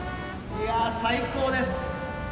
いやぁ、最高です。